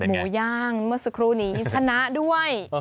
หมูย่างเมื่อสักครู่นี้ชนะด้วย